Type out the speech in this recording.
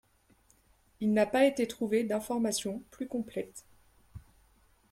Il n'a pas été trouvé d'information plus complète.